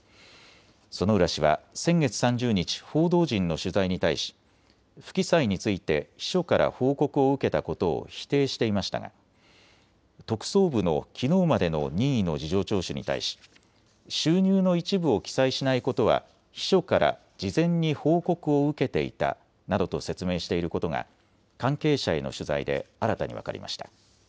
薗浦氏は先月３０日、報道陣の取材に対し不記載について秘書から報告を受けたことを否定していましたが特捜部のきのうまでの任意の事情聴取に対し収入の一部を記載しないことは秘書から事前に報告を受けていたなどと説明していることが関係者への取材で新たに分かりました。